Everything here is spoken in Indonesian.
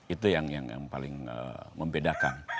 itu yang paling membedakan